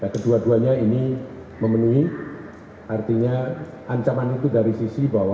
kedua duanya ini memenuhi artinya ancaman itu dari sisi bahwa